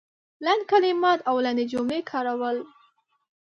لنډ کلمات او لنډې جملې کارول